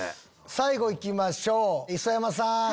最後いきましょう磯山さん。